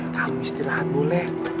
kamu istirahat boleh